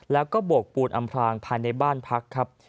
แล้วก็โบกปูนอำพลางภายในบ้านพักครับ